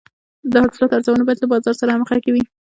د حاصلاتو ارزونه باید له بازار سره همغږې وي.